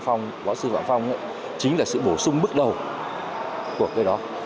phạm phong võ sư phạm phong ấy chính là sự bổ sung bước đầu của cái đó